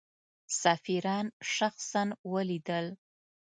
سفیران شخصا ولیدل.